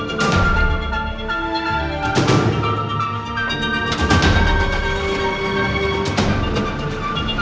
dia akan kembali ke rumah